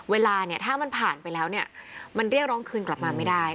เวลาเนี่ยถ้ามันผ่านไปแล้วเนี่ยมันเรียกร้องคืนกลับมาไม่ได้